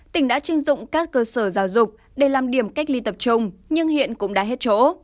tỉnh đã chưng dụng các cơ sở giáo dục để làm điểm cách ly tập trung nhưng hiện cũng đã hết chỗ